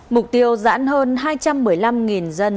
mục tiêu giãn hơn hai trăm một mươi năm dân